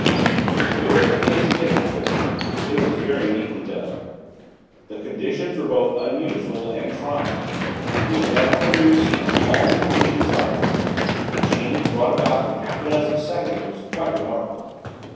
If it was a case of hypnotism, it was very neatly done. The conditions were both unusual and trying, the effect produced seemed all that could be desired, the change brought about in half a dozen seconds was quite remarkable.